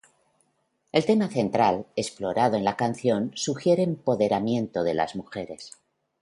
El tema central explorado en la canción sugiere empoderamiento de las mujeres.